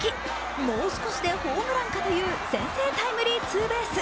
もう少しでホームランかという先制タイムリーツーベース。